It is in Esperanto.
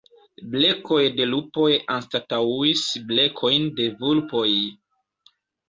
Blekoj de lupoj anstataŭis blekojn de vulpoj.